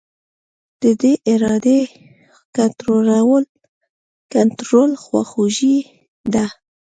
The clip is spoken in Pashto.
د دې ارادې کنټرول خواخوږي ده.